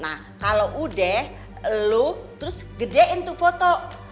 nah kalo udah lo terus gedein tuh foto